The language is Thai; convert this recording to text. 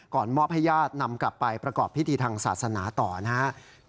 มอบให้ญาตินำกลับไปประกอบพิธีทางศาสนาต่อนะครับ